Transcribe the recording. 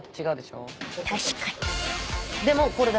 ［確かに］